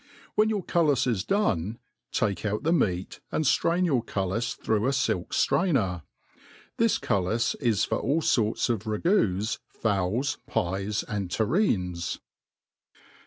When yoor cullis is done, take out the meat, and flrain your cullis through a filk flrainer. This cullis is for all forts of ragpos, fowls, pie$9 and terrines.